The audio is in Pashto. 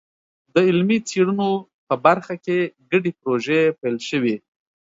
د علمي څېړنو په برخه کې ګډې پروژې پیل شوي.